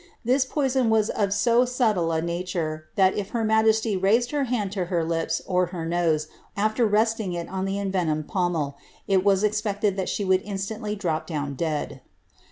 This poison was of so subtle a nature, that if her majesty raised her hand to her lips or nose aAer resting it on the enrenomed pommel, it was expected that she would instantly drop down dead.'